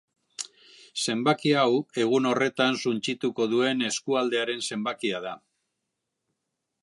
Zenbaki hau egun horretan suntsituko duen eskualdearen zenbakia da.